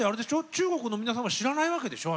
中国の皆さんは知らないわけでしょ？